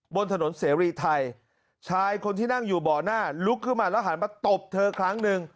บนถนนเสรีไทยชายคนที่นั่งอยู่เบาะหน้าลุกขึ้นมาแล้วหันมาตบเธอครั้งหนึ่ง